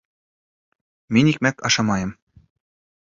Мин икмәк ашамайым.